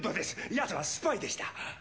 ヤツはスパイでした